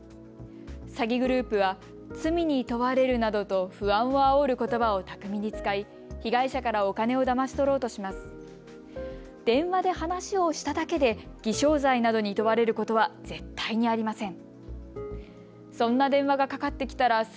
詐欺グループは罪に問われるなどと不安をあおることばを巧みに使い被害者からお金をだまし取ろうとします。